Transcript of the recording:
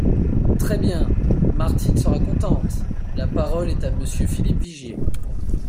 Très bien ! Martine sera contente ! La parole est à Monsieur Philippe Vigier.